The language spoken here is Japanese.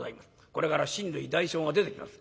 これから親類代表が出てきます。